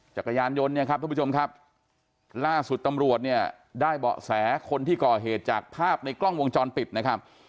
จักรยานยนต์เนี่ยครับทุกผู้ชมครับล่าสุดตำรวจเนี่ยได้เบาะแสคนที่ก่อเหตุจากภาพในกล้องวงจรปิดนะครับ